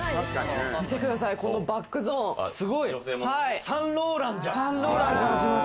見てください、このバッグゾサンローランじゃん。